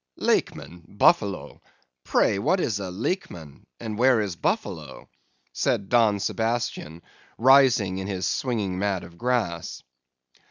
"'Lakeman!—Buffalo! Pray, what is a Lakeman, and where is Buffalo?' said Don Sebastian, rising in his swinging mat of grass.